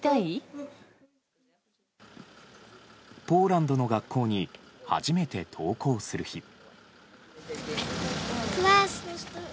ポーランドの学校に初めて登校する日。